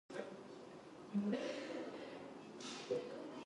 今日の天気は晴れてますが冬なのでとても寒いでしょう